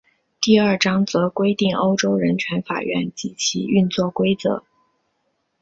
第二章则规定欧洲人权法院及其运作规则。